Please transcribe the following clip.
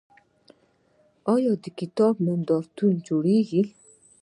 آیا د کتاب نندارتونونه جوړیږي؟